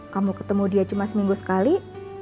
kamu ketemu dia cuma seminggu sekali